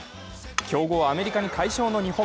強豪アメリカに快勝の日本。